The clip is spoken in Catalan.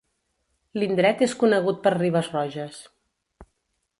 L'indret és conegut per Ribes Roges.